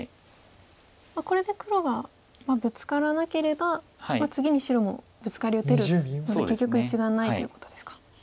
これで黒がブツカらなければ次に白もブツカリ打てるので結局１眼ないということですか。